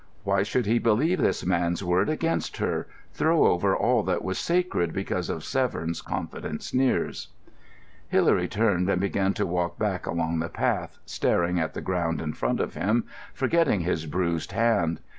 Why should he believe this man's word against her, throw over all that was sacred because of Severn's confident sneers? Hilary turned, and began to walk back along the path, staring at the ground in front of him, forgetting his bruised hand.